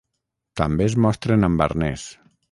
També es mostren amb arnès.